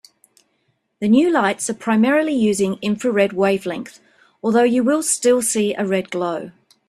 The new lights are primarily using infrared wavelength, although you will still see a red glow.